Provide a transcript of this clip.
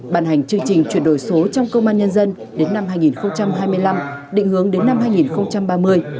bàn hành chương trình chuyển đổi số trong công an nhân dân đến năm hai nghìn hai mươi năm định hướng đến năm hai nghìn ba mươi